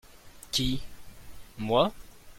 Qui ?- Moi.